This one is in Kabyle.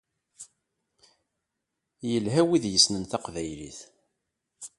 Yelha wid yessnen taqbaylit.